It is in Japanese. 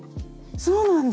そうなんだ。